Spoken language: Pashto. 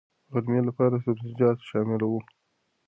د غرمې لپاره سبزيجات شامل وو.